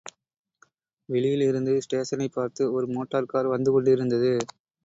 வெளியிலிருந்து ஸ்டேஷனைப் பார்த்து ஒரு மோட்டார் கார் வந்து கொண்டிருந்தது.